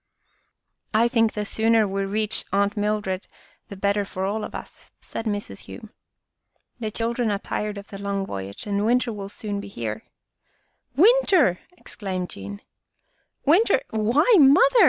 " I think the sooner we reach Aunt Mildred 6 Our Little Australian Cousin the better for all of us," said Mrs. Hume. " The children are tired with the long voyage and winter will soon be here." " Winter! " exclaimed Jean. "Winter, why, Mother!"